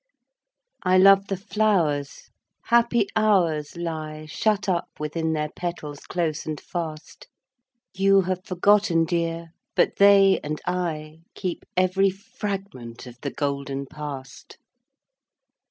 I love the Flowers; happy hours lie Shut up within their petals close and fast: You have forgotten, dear: but they and I Keep every fragment of the golden Past.